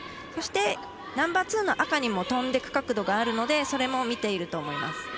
そして、ナンバーツーの赤にも飛んでいく角度があるのでそれも見ていると思います。